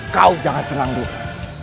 kau jangan senang dulu